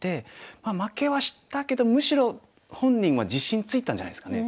まあ負けはしたけどむしろ本人は自信ついたんじゃないですかね。